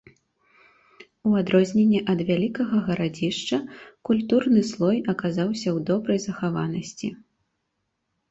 У адрозненне ад вялікага гарадзішча, культурны слой аказаўся ў добрай захаванасці.